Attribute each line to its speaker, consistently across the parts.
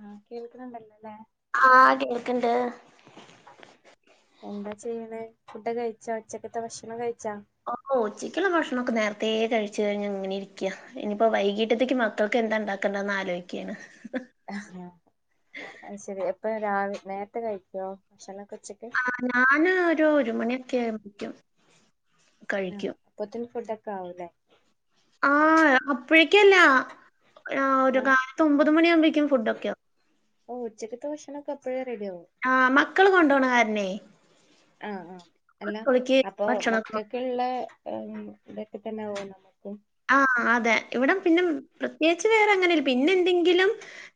Speaker 1: ആഹ കേൾക്കണണ്ടല്ലോല്ലേ
Speaker 2: ആഹ് കേൾക്കണ്ട്
Speaker 1: എന്താ ചെയ്യണ ഫുഡ് കഴിച്ചാ ഉച്ചക്കത്തെ ഭക്ഷണം കഴിച്ചാ
Speaker 2: ഓ ഉച്ചിക്കുള്ള ഭക്ഷണൊക്കെ നേരത്തെേ കഴിച്ചു കഴിഞ്ഞഞ് അങ്ങനെ ഇരിക്കുക ഇനിയിപ്പോ വൈകീട്ടത്തേക്ക് കൾക്ക് എന്താ ഉണ്ടാക്കണ്ടന്ന് ആലോചിക്കുകയാണ്
Speaker 1: ആ അ ശരി എപ്പൊ രാവ നേരത്തെ കഴിക്കുവോ ഭക്ഷണക്കെ ഉച്ചക്കെ
Speaker 2: ഞാന് ഒരു ഒരു മണിയൊക്കെ ആക്കും
Speaker 1: ആഹ് പൊത്തന് ഫുഡൊക്കെ ആവല്ലേ
Speaker 2: ആ അപ്പോഴേക്കല്ല ഒരു
Speaker 1: ആഹ്
Speaker 2: കാലത്ത ഒമ്പത് മണിയ ആകുമ്പോഴേക്കും ഫുഡ ഒക്കെയകും
Speaker 1: ഓ ഉച്ചക്ക്ത്തെ ഭക്ഷണക്കെപ്പഴേറെഡിയ ആകുമോ
Speaker 2: ആഹ് മക്കൾ കൊണ്ട പോണ കാരനെ
Speaker 1: ആഹ ആഹ അല്ല അപ്പൊ
Speaker 2: ഭക്ഷണൊക്കെ
Speaker 1: മക്ക
Speaker 2: കൊ
Speaker 1: ഒക്കെയള്ള ഇതൊക്കെ തന്നെ ഓ നും
Speaker 2: ആഹ് അതെ ഇവിടെ പിന്നെ പ്രത്യേകിച്ച് വേറെങ്ങനെ പിന്നെ എന്തെങ്കിലും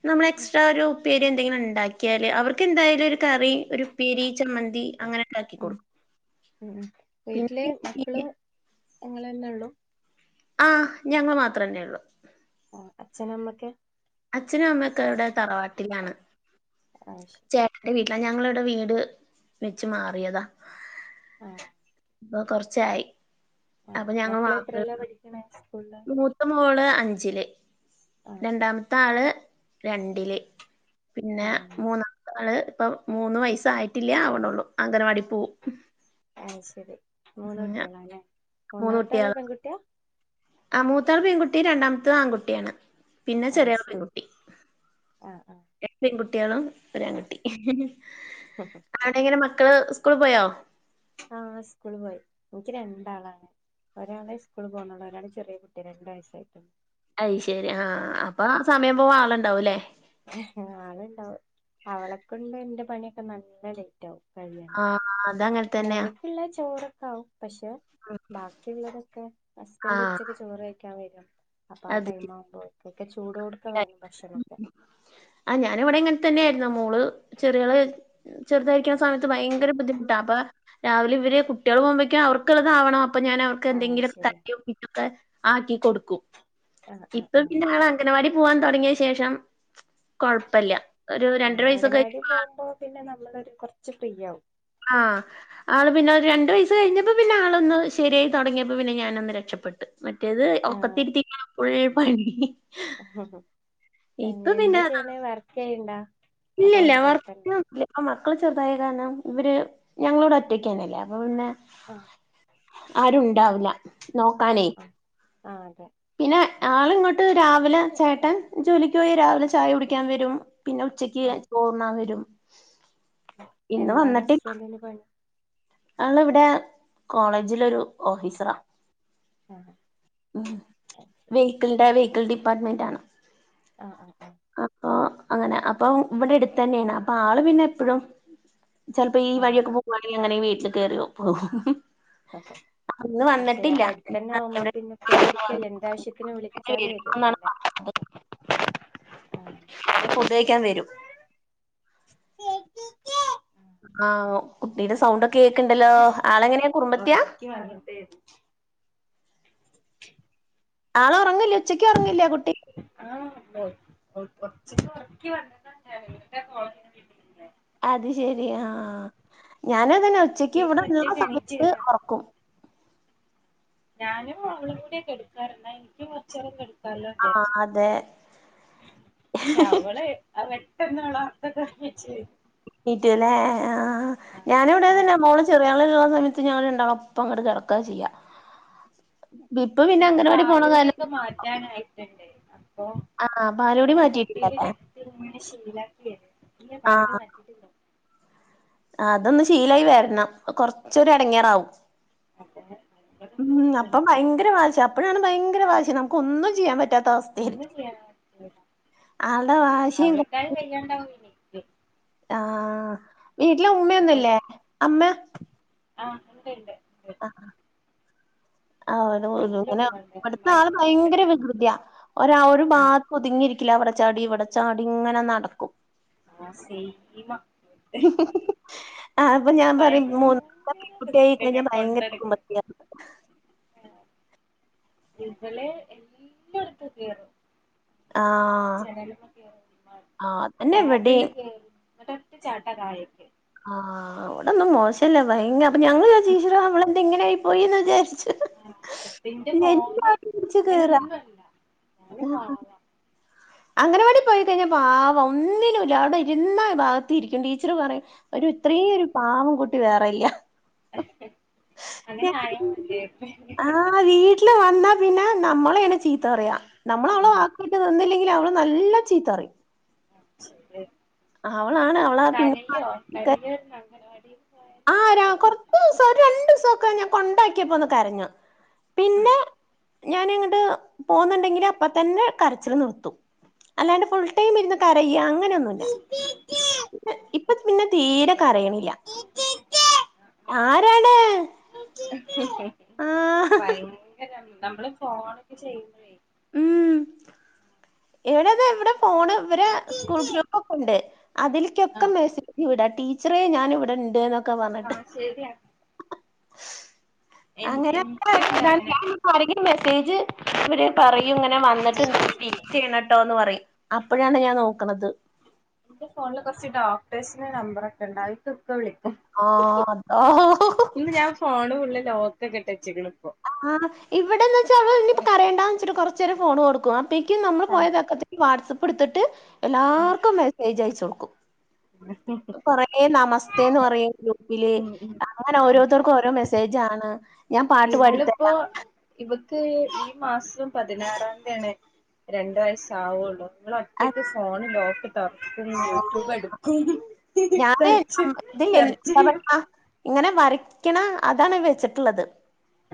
Speaker 2: നമ്മൾ എക്സ്ട്രാ ഒരു പേരുന്ന എലും ഉണ്ടക്കിയാൽ അവർക്ക് എന്തായാലും ഒരു കറി ഉപ്പേരി ചമ്മന്തി മ്മന്തി അങ്ങനെ
Speaker 1: ഉം
Speaker 2: ഉണ്ടാക്കിടുക്കും
Speaker 1: ഉം ഉം
Speaker 2: പിന്നെ
Speaker 1: അങ്ങനെന്നെ ഉള്ളൂ
Speaker 2: ആ ഞങ്ങ മാത്രേന്നെ ഉള്ളൂ
Speaker 1: ഓഹ് അച്ഛനമ്മക്കെ
Speaker 2: അച്ഛനും അമ്മയൊക്കെ അവിടെ തറവാട്ടിലാണ്
Speaker 1: ആഹ് ശരി
Speaker 2: ച ട്ടന്റെ വീട്ടിലാ ഞങ്ങളിവിടെ വീട് വെച്ച് മാറിയതാ
Speaker 1: ആഹ്
Speaker 2: അപ്പൊ കൊറച്ചായി അപ്പൊ ഞങ്ങ മാത്രള്ളൂ
Speaker 1: സ്കൂള [inaudible]
Speaker 2: മൂത്ത മോള് അഞ്ചില്
Speaker 1: ആഹ്
Speaker 2: രണ്ടാമത്തെ ആള് രണ്ടില് പിന്നെ
Speaker 1: ആഹ്
Speaker 2: മൂന്നാമത്തെ ആള് ഇപ്പൊ മൂന്ന വയസായിട്ടില്ലേ അവണ്ടള്ളൂ അംഗനവാടി പോവും
Speaker 1: അഹ ശരി മൂന്ന
Speaker 2: പിന്നെ
Speaker 1: കുട്ടികളാ അല്ലേ മൂന്നാമത്തെള്ള പെൺകുട്ടിയാ
Speaker 2: ആ മൂത്തായാൽ പെൺകുട്ടി രണ്ടാമത്തെ ആൺകുട്ടിയാണ് പിന്നെ ചെറിയൾ
Speaker 1: ശരി
Speaker 2: പെൺകുട്ടി
Speaker 1: ആഹ് ആഹ്
Speaker 2: എ രണ്ട് പെൺകുട്ടികളും ഒരു ആൺകുട്ടി ! ! ! ! ! ! ! ! ! ആടെെങ്ങനെ മക്കള് സ്കൂളിൽ പോയോ
Speaker 1: ആഹ് സ്കൂള് പോയി എനിക്ക് രണ്ടാളാണ് ഒരാളെ സ്കൂള് പോവുന്നള്ള ഒരാണ് ചെറിയ കുട്ടി രണ്ടു വയസ്സായിട്ടും
Speaker 2: അയ്ശരി ആഹ അപ്പൊ ആ സമയം പോവാ ആളുണ്ടാവും അല്ലേ
Speaker 1: ആളുണ്ടാവും അവളൊക്കെ ഉണ്ട് എന്റെ പണിയൊക്കെ നല്ല ലേറ്റ് ആവും കഴിയും
Speaker 2: അതങ്ങനെ തന്നെയാ
Speaker 1: മോനിക്കുള്ള ചോറൊ ക്കെ ആവും പക്ഷെ ബാക്കിയുള്ളതൊക്കെ ഹസ്ബൻഡ്
Speaker 2: ആഹ്
Speaker 1: ഉച്ചക്ക് ചോറ്ക്കാൻ വരും അപ്പൊ ആ
Speaker 2: അത്
Speaker 1: ടൈം ആവുമ്പോഴക്കൊക്കെ ചൂട് കൊടുക്ക വേണം ഭക്ഷണംക്കെ
Speaker 2: ആഹ് ഞാനിവിടെ ഇങ്ങനെ തന്നെയ ആയിരുന്ന മോള് ചെറിയള ചെറുതായിരിക്കണ സമയത്ത് ഭയങ്കര ബുദ്ധിമുട്ടാ അപ്പ രാവിലെവര് കുട്ട്യള് പോക്മ്പേക്കും അവർക്ക്‌ള്ളതാവണം, അപ്പ ഞാനവർ
Speaker 1: ആഹ്
Speaker 2: ക്കെന്തെങ്കിലൊക്കെ
Speaker 1: ശരിയാ
Speaker 2: തട്ടി ഒപ്പിച്ചൊക്കെ ആക്കി കൊടുക്കും
Speaker 1: ആഹ് ആഹ്
Speaker 2: ഇപ്പ
Speaker 1: ആഹ്
Speaker 2: പിന്നെ ആളൻഗനവാടി പോവാൻ തൊടങ്ങിയ ശേഷം കൊഴപ്പല്ല ഒരു രണ്ടര വയസൊക്കെ
Speaker 1: പോവുമ്പോ പിന്നെ നമ്മളൊരു കൊർച്ച് ഫ്രീയാവും
Speaker 2: ആഹ് ആള് പിന്നെ രണ്ടു വയസ് കഴിഞ്ഞപ്പോ പിന്നെ ആളൊന്ന് ശരിയായി തൊടങ്ങിയപ്പോ പിന്നെ ഞാനൊന്ന് രക്ഷപ്പെട്ട് മറ്റേത് ഒക്കത്തിരുത്തിക്യാണ് ഫുൾ പണി ഇപ്പൊ
Speaker 1: എന്താ ചെയ്യ്ണെ വർക്കെയ്യ്ണ്ട
Speaker 2: ഇല്ല ഇല്ല വർക്ക് ഇല്ല മക്കള് ചെറുതായി കാരണം ഇവര് ഞങ്ങളിവിടെ ഒറ്റയ്ക്കന്നല്ലേ അപ്പൊ പിന്നെ
Speaker 1: ആഹ്
Speaker 2: ആരുണ്ടാവുല
Speaker 1: ആഹ് ആഹ് ആഹ് അതെ
Speaker 2: പിന്നെ ആളിങ്ങോട്ട് രാവിലെ ചേട്ടൻ ജോലിക്ക് പോയ രാവിലെ ചായ കുടിക്കാൻ വരും പിന്നെ ഉച്ചക്ക് ചോർണ്ണാ വരും ഇന്ന്
Speaker 1: എന്താണസ്ബന്റിന് പണി
Speaker 2: ആള് വിടെ കോളേജിലൊരു ഓഫീസറാ
Speaker 1: ആ ഹ
Speaker 2: ഉം വെഹിക്കിളിന്റെ വെഹിക്കിൾ ഡിപ്പാർട്ട്മെന്റാണ്
Speaker 1: ആ അ
Speaker 2: അപ്പൊ അങ്ങനെ അപ്പൊ ഇവിടെടുത്തന്നേണ് അപ്പാള് പിന്നെപ്പഴും ചെൽപ്പോ ഈ
Speaker 1: ആഹ്
Speaker 2: വഴിയൊക്കെ പോകുവാണെങ്കിൽ അങ്ങനെ വീട്ടിൽ കേറി പോവും
Speaker 1: അക്കെ അ ശെരി അപട്ത്തന്നെ ആവുമ്പോ
Speaker 2: എവിടെ
Speaker 1: പിന്നെ പേടിക്കല്ലേ
Speaker 2: വരുന്നാണ്
Speaker 1: എന്താവശ്യത്തിന് വിളിച്ചാലും വരൊല്ലോ
Speaker 2: പറഞ്ഞത്
Speaker 1: ല്ലേ ! ! ! ! ! ! ! ! !
Speaker 2: ഫുഡ് കഴിക്കാൻ വരും ! ! ! ! ! ! ! ! ! ആഹ് കുട്ടിയുടെ സൗണ്ടൊക്കെ കേക്ക്‌ണ്ടല്ലോ. ആളെങ്ങനെയാ കുറുമ്പത്തിയാ
Speaker 1: ട്ടി പർഞ്ഞിട്ടേരുന്നു
Speaker 2: ആള് ഒറങ്ങില്ലേ ഉച്ചക്ക് ഒറങ്ങില്ലേ കുട്ടി
Speaker 1: ആഹ് ഒച്ചക്കൊറക്കി വന്നത ഞാന് [unintelligible] [unintelligible]
Speaker 2: അത് ശെരി ആഹ്, ഞാനു അതന്നെ ഉച്ചക്ക്
Speaker 1: ഒറക്കീന്ന്
Speaker 2: ഇവിടെള്ള
Speaker 1: ഒറ്റക്ക് എണീറ്റ്
Speaker 2: സമയത്ത്
Speaker 1: വരാ
Speaker 2: ഒറക്കും
Speaker 1: ഞാനും അവളും കൂടെ കെടുക്കാറ് ന്നാ ഇൻക്യും കൊർച്ചേരം കെട്
Speaker 2: ആഹ്
Speaker 1: ക്കാലൊജാര്ച്ച്,
Speaker 2: അതെ
Speaker 1: പക്ഷെ അവള് അത് പെട്ടെന്നവള് ഒർക്കത്ത്ന്നെണീച്ച്
Speaker 2: ണീറ്റ് ലേ ആഹ് ഞാനിവിടേതന്നെ മോള് ചെറിയാള് ള്ള സമയത്ത് ഞങ്ങൾ രണ്ടാളും ഒപ്പം അങ്ങോട്ട് കടക്കാചെയ്യാ ദ്പ്പം പിന്നെ അങ്കനവാടി പോണ കാരണം
Speaker 1: ക്ക മാറ്റാനായിട്ടുണ്ട് അപ്പൊ
Speaker 2: ആ പാലുകുടി
Speaker 1: ഞാൻ തൊട്ടിലി
Speaker 2: മാറ്റിയിട്ടില്ലല്ലേ
Speaker 1: ലി ട്ട്ങ്ങനെ ശീലാക്കിയെ. ഇല്ല പാലുടി മാറ്റിട്ടില്ല
Speaker 2: ആ തൊന്ന് ശീലായി വരണം. കൊർച്ചൊരു എടങ്ങേറാവും
Speaker 1: അപ്പൊ ഭയങ്കര
Speaker 2: ഉം
Speaker 1: റിസ്ക്കാണ്
Speaker 2: അപ്പം ഭയങ്കര വാശി. അപ്പഴാണ് ഭയങ്കര വാശി, നമുക്കൊന്നും ചെയ്യാൻ പറ്റാത്ത അവസ്
Speaker 1: ഒന്നും ചെയ്യാൻ പറ്റൂല
Speaker 2: ആൾടെ വാശിം
Speaker 1: ചെയ്യണ്ടാവനിക്ക്
Speaker 2: ആഹ് വീട്ടില്
Speaker 1: അപ്പൊ
Speaker 2: ഉമ്മയൊന്നുംല്ലേ അമ്മ
Speaker 1: ആഹ് ഉണ്ട് ഉണ്ട് ഉണ്ട്
Speaker 2: ആഹ്
Speaker 1: [inaudible]
Speaker 2: ആഹ്
Speaker 1: വീട്ടില്
Speaker 2: അങ്ങനെ
Speaker 1: ഉമ്മണ്ട്
Speaker 2: ഇവിടുത്ത ആള്
Speaker 1: അമ്മായിമ്മ ഉണ്ട് ഇവിടെ
Speaker 2: ഭയങ്കര വികൃതിയ ഒരു ഒരു ഭാ
Speaker 1: ആഹ്
Speaker 2: ഒതുങ്ങിയിരിക്കില്ല അവിടെ ചാടി ഇവിടെ ചാടി ഇങ്ങനെ നടക്കും
Speaker 1: ആഹ് സെയിമ
Speaker 2: [inaudible] ആഹ് അപ്പൊ ഞാൻ പറയും മൂന്നാ
Speaker 1: ഭയങ്കര
Speaker 2: പെൺകുട്ടിയായിഴിഞ്ഞാ ഭയങ്കര കുർമ്പത്തിയാന്ന്
Speaker 1: ആഹ് ഇവള് എല്ലാടത്തും കയറും
Speaker 2: ആ
Speaker 1: ജനല്മ്മല് കേറും
Speaker 2: ആ അതന്നെ
Speaker 1: ടേബിളില്
Speaker 2: ഇവിടേം
Speaker 1: കേറും ങ്ങട്ട് ഒറ്റ ചാട്ടാ താഴേക്ക്
Speaker 2: ആഹ് ഇവിടൊന്നും മോശമല്ല ഭയങ്കര അപ്പം ഞങ്ങള് വിചാരിക്കും ഈശ്വരാ ഇവളെന്ത ഇങ്ങനെയായി പോയിന്ന് വിചാരിച്ച്
Speaker 1: ആഹ് പക്ഷെന്റെ മോന്
Speaker 2: പിടിച്ച്
Speaker 1: അങ്ങനെ
Speaker 2: കേറാ
Speaker 1: ഒന്നല്ല ഓന് പാവവാ
Speaker 2: അംഗനവാടി പോയി കഴിഞ്ഞാ പാവം ഒന്നിനുംല്ല അവിടെ ഇരുന്ന ഭാഗ ത്തിരിക്കും ടീച്ചർ പറയും ഒരു ഇത്രയുംഒരു പാവം കുട്ടി വേറെല്ല
Speaker 1: അങ്ങനെ ആയാ മതിയാര്ന്നു
Speaker 2: ആഹ് വീട്ടിൽ വന്നാ പിന്നെ നമ്മളെയാണ് ചീത്ത പറയാ നമ്മള് അവളെ
Speaker 1: ആഹ്
Speaker 2: വാക്കേട്ട് നിന്നില്ലെ അവള് നല്ല ചീത്തറിയും അവളാണ് അവളെ പിന്നെ
Speaker 1: കരയോ കരിയോയ്ച അങ്ങനവാടിന്ന്
Speaker 2: ആഹ് കൊറച്ച് ദിവസം ഒരു രണ്ടു ദിവസം ഒക്കെ ഞാൻ കൊണ്ടാക്കിയപ്പോ ഒന്ന് കരഞ്ഞു ഞാന് ഇങ്ങോട്ട് പോന്നുണ്ടെങ്കിൽ അപ്പം തന്നെ കരച്ചില് നിർത്തും അല്ലാണ്ട് ഫുൾ ടൈം ഇരുന്ന് കരയ അങ്ങനൊന്നുല്ല ഇപ്പം പിന്നെ തീരെ കരയണില്ല
Speaker 1: [unintelligible]
Speaker 2: ആരാണ് ആഹ്
Speaker 1: ഭയങ്കര നമ്മള് ഫോണൊക്കെ ചെയ്യുമ്പോഴേ
Speaker 2: ഉം എവിടെന്താ ഇവിടെ പോണ് ഇവരെ സ്കൂൾ ഗ്രൂപ്പ് പ്പൊക്കെ ണ്ട് അതില്ക്ക്
Speaker 1: ആഹ്
Speaker 2: മെസ്സേജ് വിട ടീച്ചറെ ഞാൻ ഇവിടെ ഇണ്ട് എന്നൊക്കെ പറഞ്ഞിട്ട്
Speaker 1: ആഹ് ശരിയാ എൻ
Speaker 2: അങ്ങനെ
Speaker 1: എനിക്കുണ്ട്
Speaker 2: ഇതാണ്
Speaker 1: അങ്ങനെ
Speaker 2: ഞൻ ആരെങ്കിലും മെസ്സേജ് പറയും ഇങ്ങനെ വന്നിട്ട് പിൻ ചെയ്യണട്ടോ എന്ന് പറയും അപ്പോഴാണ് ഞാൻ നോക്കണത്
Speaker 1: എന്റെ ഫോണില് കുറച്ച് ഡോക്ടേഴ്സിന്റെ നമ്പറൊക്കെ ഉണ്ടായി അയികൊക്കെ വിളിക്കും
Speaker 2: ആഹ് അതാ
Speaker 1: ഇന്ന് ഞാൻ ഫോണ് ഫുള്ള് ലോക്ക് ഒക്കെ ഇട്ട് വെച്ചികണ് ഇപ്പോ
Speaker 2: ആഹ് ഇവിടെന്ന് വെച്ചാ ഓള് ഇപ്പ കരയണ്ടാന്ന് വെച്ചിട്ട് കൊറച്ച് നേരം ഫോണ് കൊടുക്കും അപ്പേക്ക് നമ്മള് പോയ
Speaker 1: ആഹ്
Speaker 2: തക്കത്തിന് വാട്സാപ്പ് എടുത്തിട്ട് എല്ലാ
Speaker 1: ആഹ്
Speaker 2: മെസ്സേജ് അയച്ചൊടുക്കും എ നമസ്തേന്ന് പറയും ഗ്രൂപ്പില്
Speaker 1: ഉം ഉം
Speaker 2: അങ്ങനെ ഓരോരുത്തർക്കും ഓരോ മെസ്സേജ് ആണ് ഞാൻ പ
Speaker 1: ഇവളിപ്പോ ഇവക്ക് ഈ മാസം പതിനാറാന്തിയാണ് രണ്ട് വയസ്സ് ആവുള്ളു ഇവള് കുട്ടികൾക്ക് ഫോൺ ലോക്ക് തൊർക്കണ്
Speaker 2: ആഹ്
Speaker 1: യൂടൂബ് എടുക്കും
Speaker 2: ഞാന്
Speaker 1: സെർച്ച്
Speaker 2: ഇതില്ലേ എന്താ
Speaker 1: സെർച്ചെയ്യും
Speaker 2: പറയാ ഇങ്ങനെ വരയ്ക്കണ അതാണ് വെച്ചിട്ടുള്ളത്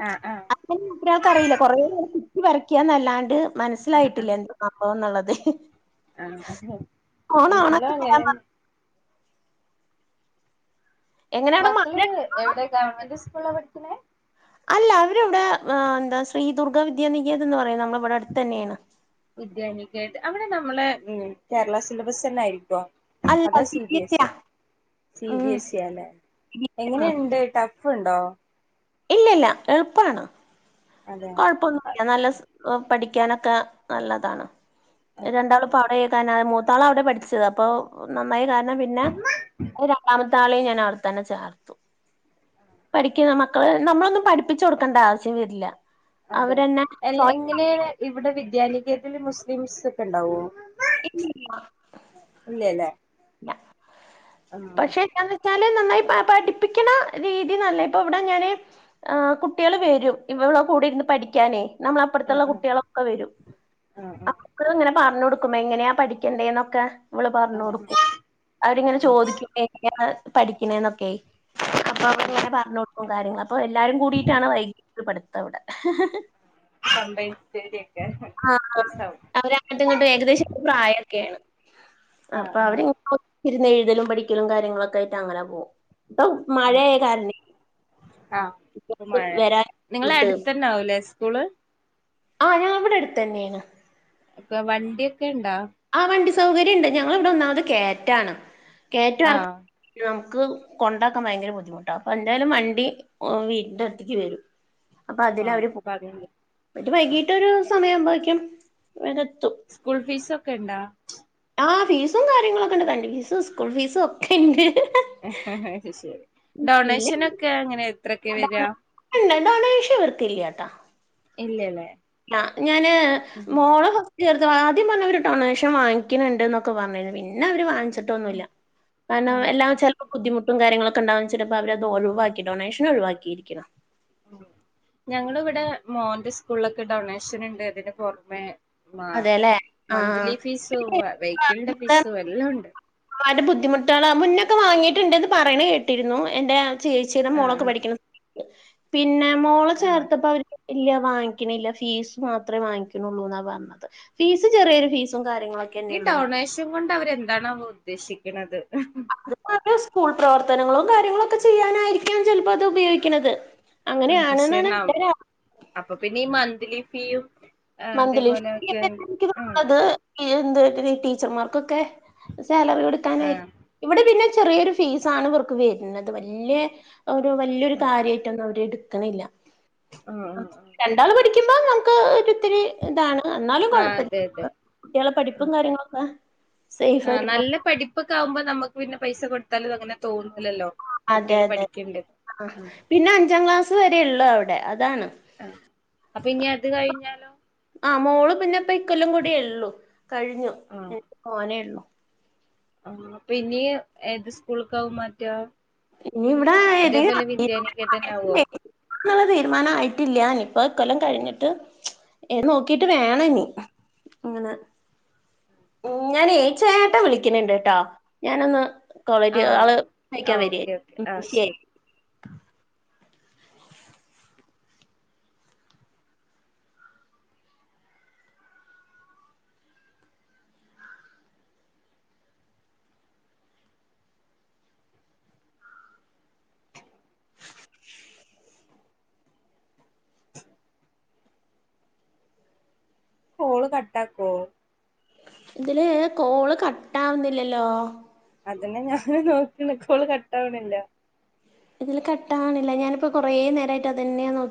Speaker 1: ആഹ് ആഹ്
Speaker 2: അങ്ങനെ ഒരാൾക്കറിയില്ല കൊറേ [unintelligible] കുത്തി വരക്കാന്നല്ലാണ്ട്
Speaker 1: ആഹ്
Speaker 2: മനസ്സിലായിട്ടില്ല എന്തോ അപ്പോന്നുള്ളതെ
Speaker 1: ആഹ് ഇവളും
Speaker 2: ഓണാക്കി തരാൻ
Speaker 1: അങ്ങനെ
Speaker 2: പറ എങ്ങനെ അവിടെ മഴ
Speaker 1: മക്കള് എവിടെ ഗവൺമെന്റ് സ്കൂളാ പഠിക്കണെ
Speaker 2: അല്ല അവര് ഇവിടെ എന്താ ശ്രീ ദുർഗ വിദ്യാനികേതം എന്ന് പറയുന്നത് നമ്മള ഇവിടെ അടുത്ത് തന്നെയാണ്
Speaker 1: വിദ്യാനികേതം അവിടെ നമ്മളെ ഉം കേരള സിലബസ് തന്നൊയിരിക്കോ
Speaker 2: അല്ല
Speaker 1: അതാ സി ബി
Speaker 2: എസ് ഇ ആ
Speaker 1: എസിയ സി ബി
Speaker 2: ഉം
Speaker 1: എസി ഇ യാണ്
Speaker 2: ഇല്ല
Speaker 1: എങ്ങനെയുണ്ട് ട്ടഫ് ഫുണ്ടോ
Speaker 2: ഇല്ലല്ല എളുപ്പവാണ്
Speaker 1: അതെ
Speaker 2: കുഴപ്പൊന്നുല്ല നല്ല പഠിക്കാനൊക്കെ നല്ലതാണ്
Speaker 1: അതെ
Speaker 2: രണ്ടാളും ഇപ്പ അവിടെ കാണം മൂത്താള് അവിടെ പഠിച്ചത് അപ്പൊ നന്നായ കാരണം പിന്നെ രണ്ടാമത്താളെയും ഞാൻ അവിടെ തന്നെ ചേർത്തു പഠിക്കുന്ന മക്കള് നമ്മളൊന്നും പഠിപ്പിച്ചു കൊടുക്കണ്ട ആവശ്യം വരില്ല
Speaker 1: അതെ
Speaker 2: അവരന്നെ
Speaker 1: എ എങ്ങനെയാണ് ഇവിടെ വിദ്യാനികത്തിൽ മുസ്ലിംസ് ഒക്കെ ഉണ്ടാവോ
Speaker 2: ഇല്ലില്ല
Speaker 1: ഇല്ലല്ലേ ആഹ്
Speaker 2: പക്ഷെ [unintelligible] ചാല് നന്നായി പഠിപ്പിക്കണ രീതി നല്ല ഇപ്പൊ ഇവിടെ ങ്ങനെ കുട്ടികള് വരും ഇവള കൂടെ ഇരുന്ന് പഠിക്കാനേ നമ്മള അപ്പറത്തുള്ള
Speaker 1: ആഹ്
Speaker 2: കുട്ടികളൊക്കെ വരും
Speaker 1: ആഹ് ആഹ്
Speaker 2: ഇവള് ഇങ്ങനെ പറഞ്ഞു കൊടുക്കും എങ്ങനെയാ പഠിക്കേണ്ടേന്നൊക്കെ ഇവള്
Speaker 1: ആഹ്
Speaker 2: പറഞ്ഞ്
Speaker 1: ആഹ്
Speaker 2: കൊടുക്കും അവരിങ്ങനെ ചോദിക്കും എങ്ങനെയാ പഠിക്കണേന്നൊക്കെ അപ്പൊ
Speaker 1: ആഹ് ആഹ്
Speaker 2: അവളിങ്ങനെ പറഞ്ഞെ കും കാര്യങ്ങള് അപ്പോ എല്ലാരും കൂടിയിട്ടാണ് വൈകിട്ട് പഠിത്തം ഇവിടെ
Speaker 1: കമ്പൈൻ സ്റ്റഡി ഒക്കെ
Speaker 2: ആഹ്
Speaker 1: രസാവും
Speaker 2: അവരങ്ങട്ടും ഇങ്ങൊട്ടും ഏകദേശം ഒര് പ്രായൊക്കെയാണ്
Speaker 1: ആഹ്
Speaker 2: അപ്പോ അവ
Speaker 1: ആഹ്
Speaker 2: ഇരുന്ന് എഴുതലും പടിക്കലും കാര്യങ്ങളൊക്കെ ആയിട്ട് അങ്ങനെ പോകും ഇപ്പൊ
Speaker 1: ആഹ്
Speaker 2: മഴയായ കാരണെ
Speaker 1: ആഹ് ഇപ മഴയ
Speaker 2: വരാൻ
Speaker 1: നിങ്ങള
Speaker 2: ബുദ്ധിമുട്ട്
Speaker 1: അടുത്തതന്നെ ആവൂലേ സ്കൂള്
Speaker 2: ആഹ് ഞാൻ ഇവിടെ അടുത്ത് തന്നെയാണ്
Speaker 1: അപ്പോ വണ്ടിയൊക്കെ ഇണ്ടാ
Speaker 2: ആ വണ്ടി സൗകര്യണ്ട് ഞങ്ങള ഇവിടെ ഒന്നാമത് കേറ്റാണ് കേറ്റൊം എർക്കം
Speaker 1: ആഹ്
Speaker 2: നമുക്ക് കൊണ്ടാക്കാൻ ഭയങ്കര ബുദ്ധിമുട്ടാണ് അപ്പൊ എന്തായാലും വണ്ടി ഓ വീടിന്റെ അടുത്തേക്ക് വരും അപ്പൊ
Speaker 1: ആഹ്
Speaker 2: അതിലവര് പോക്ക്
Speaker 1: അപ്പൊ അത്
Speaker 2: [unintelligible] വൈകീട്ടൊരു സമയം ആുമ്പൊക്കും ഇവിടെ എത്തും
Speaker 1: സ്കൂൾ ഫീസ് ഒക്കെ ഇണ്ടാ
Speaker 2: ആഹ് ഫീസും കാര്യങ്ങളൊക്കെ ഇണ്ട് വണ്ടി ഫീസും സ്കൂൾ ഫീസും ഒക്കെ ഇണ്ട്
Speaker 1: അയ് ശെരി ഡൊണേഷനൊക്കെ എങ്ങനെ എത്രൊക്കെ വരാ
Speaker 2: ഇല്ല ഡാണാഷൻ ഇവർക്കിയില്ലാട്ടാ
Speaker 1: ഇല്ലാല്ലേ
Speaker 2: ല്ല ഞാന് മോള ചേർത്താപ്പോ ആദ്യം പറഞ്ഞ് അവര് ഡൊണേഷൻ വാങ്ങിക്കുന്നുണ്ട് എന്നൊക്കെ പറഞ്ഞരുന്നു പിന്നെ അവര് വാങ്ങിച്ചി ട്ടോന്നുല്ല കാരണം
Speaker 1: ആഹ്
Speaker 2: എല്ലാം ചിലപ്പോ ബുദ്ധിമുട്ടും കാര്യങ്ങളൊക്കെ ഉണ്ടവു ച്ച് ചിലപ്പോ അവരത് ഒഴിവാക്കി ഡൊണേഷൻ ഒഴിവാക്കിയിരിക്കണം
Speaker 1: ഉം ഞങ്ങളിവിടെ മോന്റെ സ്കൂളിലൊക്കെ ഡൊണേഷൻ ഉണ്ട് അതിന് പുറമെ മാ
Speaker 2: അതേല്ലേ? ആഹ്.
Speaker 1: മന്തിലി ഫീസും വെഹിക്കിളിന്റെ ഫീസും എല്ലാം ഉണ്ട്
Speaker 2: വളരെ ബുദ്ധിമുട്ടുകളാ മുന്നൊക്കെ വാങ്ങിട്ടുണ്ട്ന്ന് പറയണ കേട്ടിരുന്നു എന്റെ ചേച്ചിടെ മോളൊക്കെ
Speaker 1: ആഹ്
Speaker 2: പഠിക്കണ പിന്നെ മോള
Speaker 1: ആഹ് ആഹ്
Speaker 2: ചേർത്തപ്പോ അവര് ഇല്ല വാങ്ങിക്കണില്ല ഫീസ് മാത്രേ വാങ്ങിക്കുണുള്ളൂന്നാ പറഞ്ഞത് ഫീസ് ചെറിയൊരു ഫീസും കാര്യങ്ങളൊക്കെന്നെ ഉള്ളൂ വര്യാ
Speaker 1: ൻ കൊണ്ട് അവരെന്തണവോ ഉദ്ദേശിക്കുന്നത്
Speaker 2: അത് സ്കൂൾ പ്രവർത്തനങ്ങളും കാര്യങ്ങളൊക്കെ ചെയ്യാനായിരിക്കാം ചിലപ്പോ അത് ഉപയോഗിക്കുന്നത് അങ്ങനെ
Speaker 1: ആഹ് പക്ഷെ
Speaker 2: ആണെന്നാണ്
Speaker 1: ന
Speaker 2: എന്റെയൊരു
Speaker 1: അപ്പൊ പിന്നെ ഈ മന്ത്ലി ഫീയും ആഹ്
Speaker 2: മന്ത്ലി ഫീ
Speaker 1: അതേപോലെയൊക്കെ
Speaker 2: ഒക്കെ എനിക്ക്
Speaker 1: ആഹ്
Speaker 2: തോന്നണത് എന്ത് ടീച്ചർമാർക്കൊക്കെ സാലറി
Speaker 1: ആഹ്
Speaker 2: എടുക്കാനായി
Speaker 1: ആഹ്
Speaker 2: ഇവിടെ പിന്നെ ചെറിയൊരു ഫീസാണ് ഇവർക്ക് വരുന്നത് വല്യ ഒരു വല്യൊരു കാര്യയിട്ടൊന്നും അവര് എടുക്കണില്ല
Speaker 1: ആഹ് ആഹ്
Speaker 2: രണ്ടാൾ പഠിക്കുമ്പോ നമുക്ക് ഒരു ഒര് ഇതാണ് എന്നാലും
Speaker 1: ആഹ്
Speaker 2: കുഴപ്പില്ല
Speaker 1: അതെ അതെ
Speaker 2: കുട്ടികളെ പഠിപ്പും കാര്യങ്ങളൊക്കെ സേഫ്
Speaker 1: ആഹ്
Speaker 2: ആയിട്ട് പോ
Speaker 1: നല്ല പഠിപ്പൊക്കെ ആകുമ്പോ നമുക്ക് പിന്നെ പൈസ കൊടുത്താലും അങ്ങനെ തോന്നുന്നില്ലല്ലോ
Speaker 2: അതെ അതെ ആഹ് പിന്നെ അഞ്ചാം ക്ലാസ് വരെ ഉള്ളു അവിടെ അതാണ്
Speaker 1: ആ അപ്പൊ ഇനി അത് കഴിഞ്ഞാലോ
Speaker 2: ആഹ് മോള് പിന്നെ ഇപ്പ ഇക്കൊല്ലം കൂടിയുള്ളു കഴിഞ്ഞു
Speaker 1: ആഹ്
Speaker 2: മോനെ ഉള്ളൂ
Speaker 1: ആഹ് അപ്പോ ഇനി ഏത് സ്കൂളിക്കാവും മാറ്റാ
Speaker 2: ഇനി ഇവിടെ ഏതേലും
Speaker 1: ഇതേപോലെ വിദ്യാനികേതൻ ആവോ
Speaker 2: [unintelligible] [unintelligible] തീരുമാനം ആയിട്ടില്ല ഇനി ഇപ്പ ഇക്കൊല്ലം കഴിഞ്ഞിട്ട് ഏത് നോക്കീട്ട് വേണം ഇനി ഇങ്ങനെ ഞാനേ ചേട്ടാ വിളിക്കണണ്ട് ട്ടാ ഞാനൊന്ന്
Speaker 1: ആ
Speaker 2: [unintelligible] ആള്
Speaker 1: ആ
Speaker 2: വായിക്കാൻ വരിയായി
Speaker 1: ഓക്കെ ഓക്കെ
Speaker 2: ഉം
Speaker 1: ആ
Speaker 2: ശെരി
Speaker 1: ശരി [inaudible] കോൾ കട്ടാക്കോ
Speaker 2: ഇതില് കോള് കട്ടാവുന്നില്ലല്ലോ
Speaker 1: അതന്നെ ഞാനു നോക്കിണ് കോൾ കട്ടാവണില്ല
Speaker 2: ഇതില് കട്ടാവണില്ല ഞാനിപ്പോ കൊറേ നേരായിട്ട് അതന്നെയാ നോ